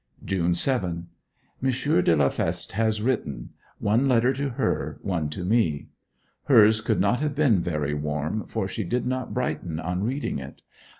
June 7 . M. de la Feste has written one letter to her, one to me. Hers could not have been very warm, for she did not brighten on reading it.